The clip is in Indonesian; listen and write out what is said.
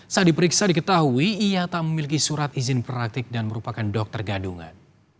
saat diperiksa diketahui ia tak memiliki surat izin praktik dan merupakan dokter gadungan